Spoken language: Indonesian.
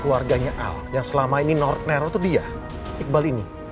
keluarganya al yang selama ini nero itu dia iqbal ini